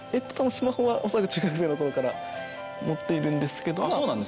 スマホは、恐らく中学生の頃から持っているんですけど。